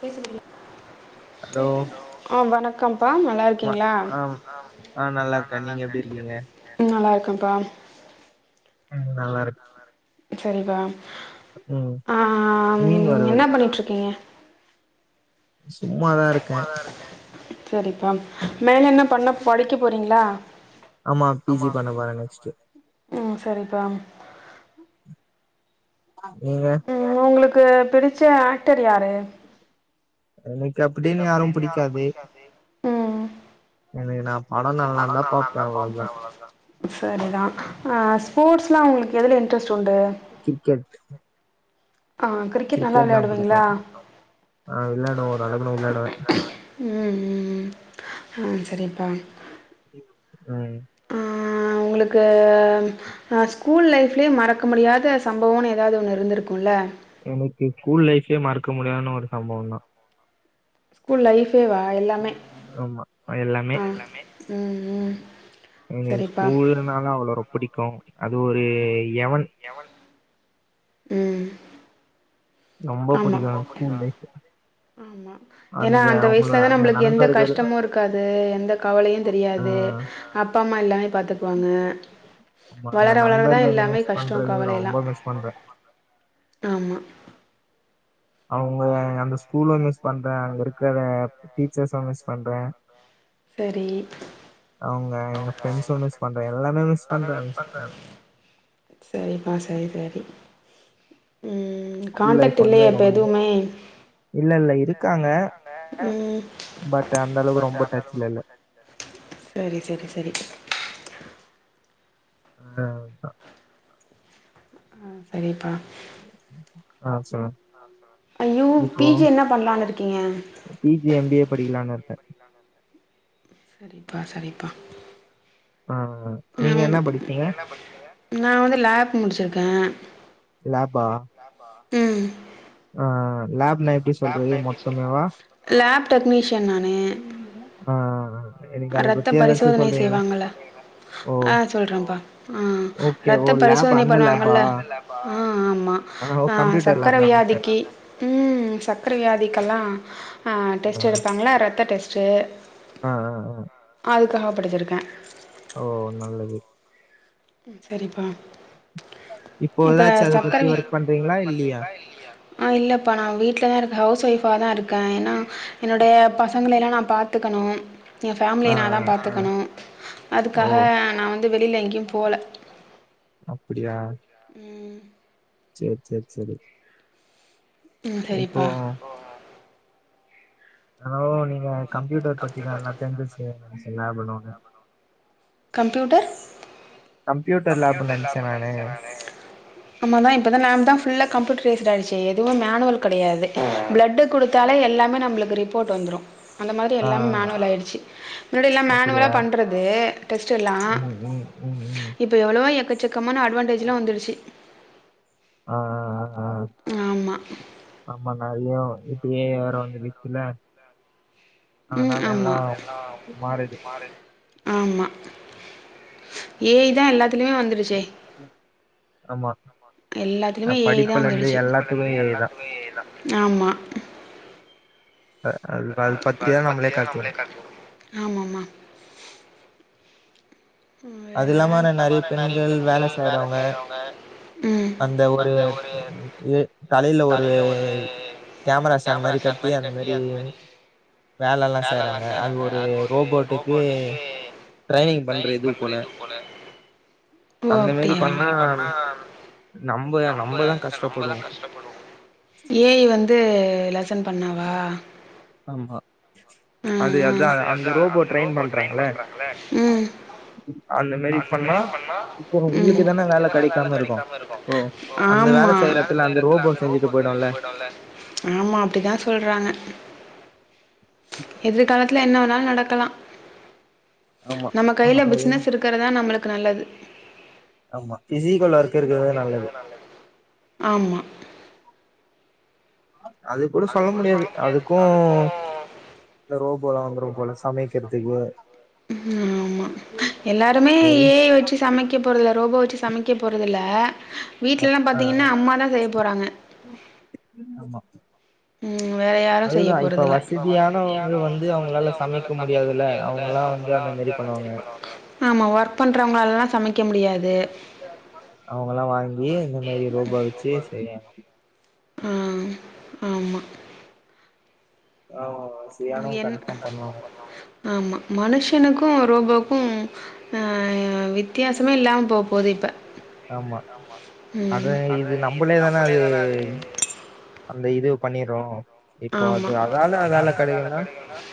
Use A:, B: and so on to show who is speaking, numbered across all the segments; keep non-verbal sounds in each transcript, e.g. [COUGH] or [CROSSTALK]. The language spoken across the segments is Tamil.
A: பேச விடல ஆஹ வணக்கம்ப்பா நல்லா இருக்கீங்ளா நல்லா கம்ப்பா
B: உம் நல்லா இருக்க
A: சரிப்பா ஆஹ் என்ன பண்ணிட்டு இருக்கீங்க
B: சும்மாதான இருக்க
A: சரிப்பா மேல என்ன பண்ண படிக்க போறீங்ளா
B: ஆமா பி ஜி பண்ண போறேன் நெக்ஸ்ட்
A: சரிப்பா
B: நீங்க
A: உங்களுக்கு பிடிச்ச ஆக்டர் யாரு ம் சரிதா ஆ ஸ்போர்ட்ஸ்லா உங்களுக்கு எது இன்டெரெஸ்ட்
B: கிரிக்கெட் சிரிக்கேட்தா பிடிக்கும் ஆஹ் விளையாடுவ ஒரு அளகுனு விளையாடுவ
A: ம ம் ஆ சரி பாங்
B: உம்
A: ஆ உங்களுக்கு க நா ஸ்கூல் லைஃப்லயே மறக்க முடியாத சம்பவம்ன்னு எதாவது ஒன்று இருந்திருக்குல்ல
B: நமக்கு ஸ்கூல் லைப் க்கே மறக்க முடியாதுனு ஒரு சம்பவம்தா
A: ஸ்கூல் லைஃபேவா எல்லாமே ஆ ம் ம் சரிப்பா
B: அப்புறோ அது ஒரு
A: உம் ஆமா ஆமா ஏனா அந்த வயசுலதா நம்மளுக்கு எந்த கஷ்டமு இருக்காது எந்த கவலையுந் தெரியாது அப்பா அம்மா எல்லாமே பாத்துக்குவாங்க வளர வளரதா எல்லாமே கஷ்டோ கவலை எல்லா ஆமா
B: அவுங்க அந்த ஸ்கூல மிஸ் பண்ற அங்க இருக்கற டீச்சர்ஸ மிஸ் பண்ற அவுங்க எங்க பிரண்ட்ஸ மிஸ் பண்ற எல்லாமே மிஸ் பண்ற ஸ்கூல் லைஃப் வந்து ரொம்ப இல்ல இல்ல இருக்கு இருக்காங்க
A: ம் சேரி சேரி சேரி
B: அவல்தா
A: சேரிப்பா
B: ஆ சொல்லு
A: ஐயோ பி ஜி என்ன பண்ணலான்னு இருக்கீங்க சரிப்பா சரிப்பா உஹம் நா வந்து லேப் முடிச்சிருகே க்கே
B: லேபா
A: உம்
B: ஆஹ் லேப்
A: லேப் டெக்னீஷியன் நானு ரத்த பரிசோதனை செய்வாங்க ஆஹ் சொல்றேன்பா ஆஹ் ரத்த பரிசோதனை பண்ணுவாங்கல ஆ ஆமாம் சர்க்கரை வியாதிக்கு உம் சர்க்கரை வியாதிக்கெல்லா டெஸ்ட் எடுபாங்களா ரத்த டெஸ்ட் ச்சேர்
B: ஆஹ் ஆஹ்
A: படிச்சிருக்கே
B: ஓ நல்லது
A: சேரிப்பா இப்ப சர்க்கரை இல்லப்பா நா வீட்டுல தா இருக்கே ஹவுஸ் வைஃப் தா இருக் கே எனா என்னுடைய பசங்களை எல்லா நா பாத்துக்கணும் என் ஃபேமிலிய நா தா பாத்துக்கணு அதுக்காக நா வந்து வெளியில எங்கேயு
B: அப்படியா
A: உம்
B: சேர் சேர் சேரி
A: உம் சேரிப்பா
B: ஹலோ நீங்க வந் கம்ப்யூட்டர் பத்திதா எல்லா தெரிஞ்ச விசியோ நெச்சே லேபுன்னவாங்க பண்ணுவாங்க
A: கம்யூட்டர் ஆமா தா இப்பதா ஃபுல்லா கம்யூட்டர் பேசு [UNINTELLIGIBLE] எதுவு மேனுவல் கெடையாது ப்ளட்டு குடுத்தாலே எல்லாமே நம்பளுக்கு ரிப்போர்ட் வந்துரு அந்த மாரி எல்லாமே மேனுவல் ஆயிருச்சு முன்னடியெல்லா மேனுவலா பண்றது ஃப்ஸ்ட்டெல்லா இப்ப எவ்ளோ ப எக்கச்சக் க்கமான அட்வான்டேஜ்லா வந்துடுச்சு
B: ஆ ஆ ஆ
A: ஆமா
B: ஐயோ இப்ப ஏ ஐ வேற வந்துட்டுல
A: ம் ஆமா ஆமா ஏ ஐ தா எல்லாத் திலியு வந்துடுச்சே
B: ஆமா
A: எல்லாத்துலியுமே ஏ ஐ தா வந்துடுச்சு ஆமா ஆமாம்மா வேற
B: அந்த ஒரு [UNINTELLIGIBLE] இது தலையில ஒரு கேமரா ஸ்டாண்ட் மாரி கட்டி அந்த மாரி வேலல்லா செய்யறாங்க அது ஒரு ரோபோட்டுக்கு ட்ரைனிங் பண்
A: ஓ அப்டியா ஏ ஐ வந்து ல அட்டன் பண்ணாவா
B: ஆமா
A: ஆ ஆ ம் ம் ஆமா ஆமா அப்டி தா சொல்றாங்க எதிர்காலத் துல என்ன வேனாலு நடக்கலா நம்ம கையில பிஸ்னஸ் இருக்கறதா நம்மளுக்கு க்கு நல்லது
B: ஆமா [UNINTELLIGIBLE] ஒர்க்கு இருக்கிறது தா நல்லது ஆஹ அது கூட சொல்ல முடியாது அதுக்கு இந்த ரோபோலா வந் ரோபோலா
A: ஆமா எல்லாருமே ஏ ஐ வச்சு சமைக்க போறதல ரோபோ வச்சு சமைக்க போறதில்ல ஆ வீட்ல எல்லாம் பாத்தீங்கன்னா அம்மாதான் செய்ய போறாங்க வேற யாரும் செய்ய போறது இல்ல ஆமா ஒர்க் பண்றவங்களால சமைக்க முடியாது ஆஹ் ஆமா என் ஆமா மனுஷனுக்கும் ரோபோ க்கு
B: ஆமா அது இது நம்மளே தானே அது அந்த இது பண்ணிற்றோ இப்போ அது அதால அதால கிடைக்குன்னா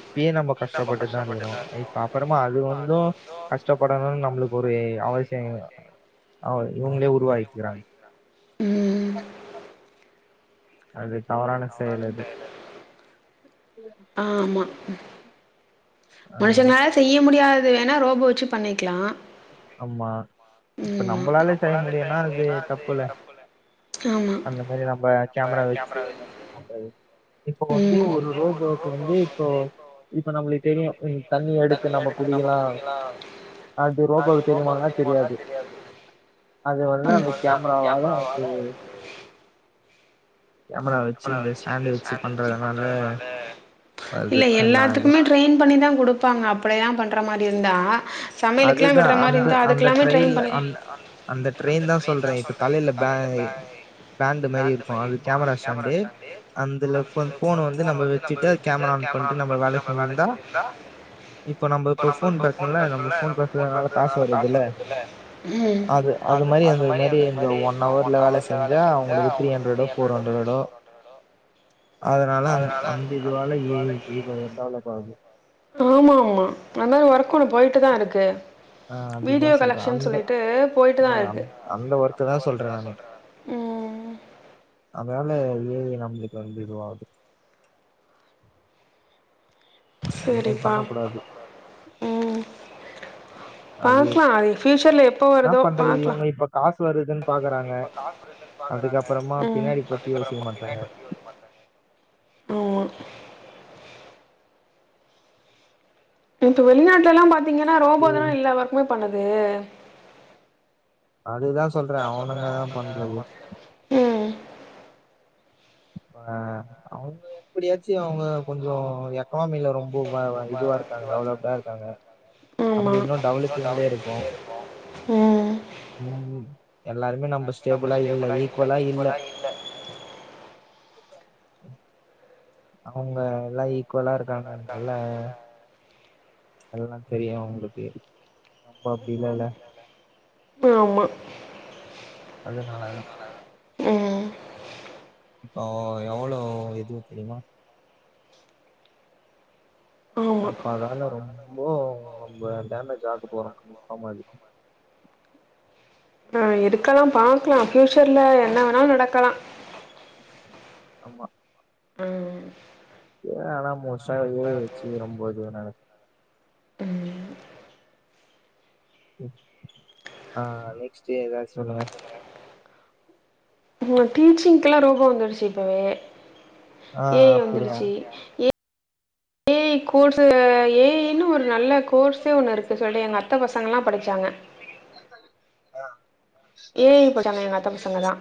B: இப்பயே நம்ம கஷ்டப்பட்டுதான் இருக்கிறோ இப்ப அப்புறமா அது வந்து கஷ்டப்படணும்னு நம்மளுக்கு ஒரு அவசியம் அவ இவங்களே உருவாக்கிறாங்க அது க்
A: ஆமா மனுஷனால செய்ய முடியாது அது வேணா ரோபோ வச்சு பண்ணிக்லாம்
B: ஆமா இப்ப நம்மளாலே செய்ய முடியும்னா அது தப்புல அந்த மாதிரி நம்ம கேமரா வச்சு என்ன பண்றது இப்போ வந்து ஒரு ரோபோவுக்கு வந்து இப்போ இப்ப நம்மளுக்கு தெரியு தண்ணி எடுத்து நம்ம குடிக்கலா அது ரோபோவுக்கு தெரியுமானா தெரியாது அது வந்து அந்த கேமராவால அது கேமரா வச்சு இந்த ஸ்டாண்டு வச்சு பண்ண
A: இல்ல எல்லாத்துக்குமே ட்ரெயின் பண் தண்ணி தான் கொடுப்பாங்க அப்படியெல்லாம் பண்ற மாதிரி இருந்தா
B: அதுதான் அந்த அந்த ட்ரெயின் அ அந்த ட்ரெயின் தான் சொல்றேன் இப்ப தலையில பே பேண்டு மாதிரி இருக்கும் அது கேமரா ஸ்டாண்டு அந்தல இப்ப ஃபோன வந்து நம்ப வெச்சிட்டு கேமரா ஆன் பண்ட்டு நம்ம வேலை செஞ்சிர்ந்தா இப்போ நம்ப ப்போ ஃபோன் பேசுறோல நம்ம ஃபோன் பேசுறதுனால காசு வருதுல்ல அது அது மாரி அந்தது மாரி இந்த ஒன் ஹவர்ல வேல செஞ்சா அவங்களுக்கு த்ரீ அண்ட்ரடோ ஃபோர் அண்ட்ரடோ அதனால அ அந்த இதுவேலக்கி இது டெவலப் ஆகுது
A: ஆமா மா அந்மாரி வர்க் ஒண்ணு போயிட்டு தான் இருக்கு
B: ஆஹ் அதுதா சொல்ற அந்த ஆஹ் அ அந்த ஒர்க்க தா சொல்றேன் நானு வேல ஏஐ நம்ளுக்கு வந்து இதுவாகுது அது மாரி பண்ண கூடாது அது ன்ன பண்றது இவங்க இப்ப காசு வருதுன் பாக்கறாங்க அதுகப்பறமா பின்னாடி பத்தி யோசிக்க மாட்றாங்க
A: இப்ப வெளிநாட்ல ல்லாம் பா திங்கன்னா ரோபோ தான எல்லா வர்குமே பண்ணு து அதுதா சொல்றே அவ்னுங்கதா பண்றது ம்
B: ஆஹ் அவங்க எப்புடியாச்சு அவங்க கொஞ்சோ ஏ க்னோமில ரொம்பொ வா வா இதுவா இருக்காங்க டெவலப்டா இருக்காங்க நம்ம இன்னு டெவலப்பிங்லயே இருக்கோ ம் எல்லாருமே நம்ப ஸ்டேப்ளா இல்ல ஈக்வலா இல்ல அவங்க எல்லா ஈக்வலா இருக்காங்க நல்லா எல்லா தெரியு அவங்களுக்கு ரொம்பொ அப்டி லா இல்ல
A: ஆமா
B: அதுனால தா
A: உஹ்
B: இப்போ எவ்வளோ இது தெரியுமா அப்ப அதனால ரொம்போ நம்ப டேமேஜ் ஆக போறோ கன்ஃபொம் அது
A: ஆஹ் இருக்கலா பாக்லா ஃப்யூச்சர்ல என்ன வேணாலு நடக்கலா
B: ஆமா
A: ம்
B: ஏ ஆனா மோச் சாலரி வெச்சிகிறம்போது வெனாலு
A: ம்
B: ம் ஆஹ் நெக்ஸ்ட்டு ஏதாச்சு சொல்லுங்க
A: இப்போ டீச்சிங்க்கெல்லா ரோபோ வந்துருச்சு இப்பவே ஏ ஐ வந்துடுச்சு A A I course A ஐன்னு ஒரு நல்ல கோர்ஸே ஒண்ணு இருக்கு சொல்லி எங்க அத்த பசங்க எல்லா படிச்சாங்க
B: ஆஹ்
A: ஏ ஐ படிச்சாங்க எங்க அத்த பசங்க தா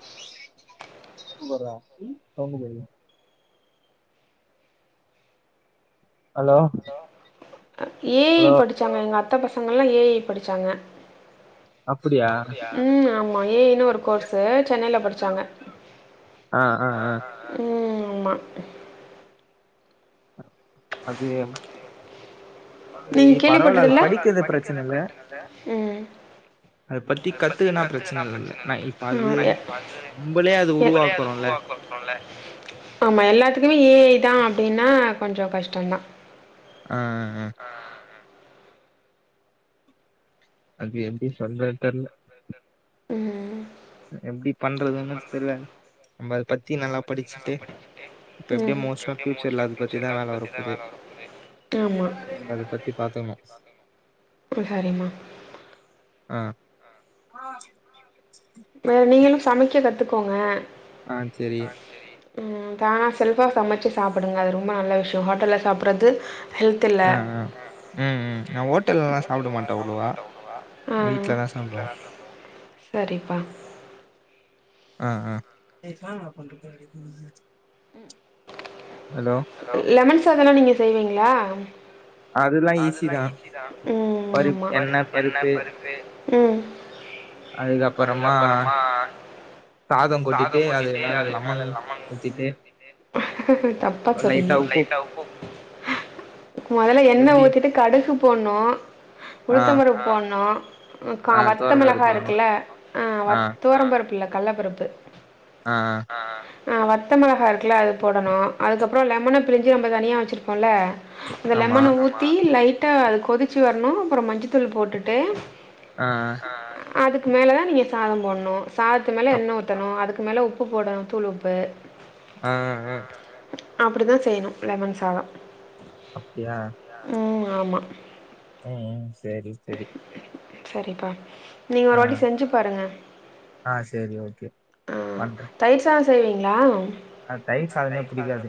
B: [UNINTELLIGIBLE] ஹலோ
A: ஏ ஐ படிச்சாங்க எங்க அத் த பசங்கள்லா ஏ ஐ படிச்சாங்க உம் ஆமா மா ஏ ஐ னு ஒரு கோர்ஸ்ஸு சென்னைல படிச்சாங்க உம் ஆமா
B: அது எம்
A: நீங் கேள்விப்பட்டத்தில்ல பரவால்ல உம் ம் எ எ ஆமா எல்லாத்துக்குமே ஏ ஐதா அப்டின்னா கொஞ்சோ கஷ்டந்தா
B: ஆஹ் ஆஹ் ஆஹ்
A: ஆஹ் ஆஹ் ஆஹ்
B: அது எப்டி [UNINTELLIGIBLE] தெர்ல
A: ம் ம்
B: எப்டி பண்றதுன்னு தெர்ல நம்ம அத பத்தி நல்லா படிச்சுட்டு இப்ப எப்டியோ மோஸ்ட் ஆ பியூச்சர்ல அத பத்திதா வேல வரப்போது நம்ம அத பத்தி பாத்துணு ஆஹ் ஆ
A: வேற நீங்களு சமைக்க கத்துக்கோங்க
B: ஆ சேரி
A: ம் தானா செல்ஃபா சமைச்சு சாப்டுங்க அது ரொம்ப நல்ல விஷயோ ஹோட்டல்ல சாப்புட்றது
B: ஆ ஆ ம் ம் நா ஓட்டல்லல்லா சாப்ட மாட்டே அவ்ளவா வீட்லதா சாப்டுவோ
A: சரி ப்பா
B: ஆ ஆ
A: லெமன் சாதலா நீங்க செய்வீங்ளா ம் ஆமா ம் தப்பா சொல்றீங்க மொதல எண் எண்ண ஊத்திட்டு கடுகு போட்ணு உளுத்த பருப்பு போட்ன்னு க வத்த மிளகா இருக்குல்ல ஆ வத் துவரம்பருப்புல்ல கல்லப்பருப்பு ஆ ஆ ஆ வத்தமெளகா குல அது போடணு அதுக்கப் அப்ற லெமன பிஞ்ச நம்ம தனியா வச்சிருக்கோல
B: ஆமா
A: தி லைட்டா அது கொதிச்சு வரணு அப்ற மஞ்சத்தூள் போட்டுட்டு
B: ஆ ஆ
A: அதுக்கு மேல தா நீங்க சாதொ போட்ணு சாத்தத்து மேல எண்ண ஊத்தணு அதுக்கு மேல உப்பு போடணு தூளுப்பு
B: ஆ ஆ ஆ
A: அப்டி தா செய்ணு லெமன் சாதொ
B: அப்டியா
A: உம் ஆமா
B: ஹம் சேரி செரி
A: செரிப்பா நீங்க ஒரு வாட்டி செஞ்சு பாருங்க ஆஹ் தயிர் சாதோ செய்வீங்களா
B: அஹ் தயிர் சாதமே புடிக்காது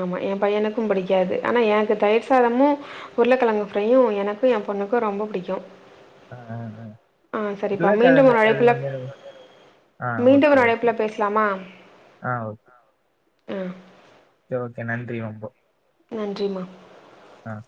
A: ஆமா என் பையனுக்கு புடிக்காது ஆனா எனக்கு தயிர் சாதமு உருளக்கெழங்க ஃப்ரையு எனக்கு என் பொண்ணக்கு ரொம்ப புடிக்கு
B: ஆஹ உருளக்கழங்கு ஃப்ரை வந்து எனகு ஆஹ் ஓகே ஓகே ஆஹ் ஓக்
A: ம்
B: ஓகே ஓகே நன்றி ரொம்போ
A: நன்றிமா
B: ஆஹ்